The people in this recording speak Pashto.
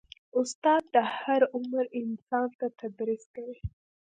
استاد د هر عمر انسان ته تدریس کوي.